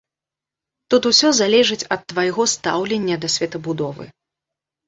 Тут усё залежыць ад твайго стаўлення да светабудовы.